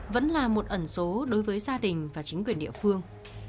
vẫn là một ẩn số đối với gia đình và chính quyền địa phương